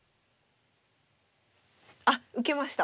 あっ受けました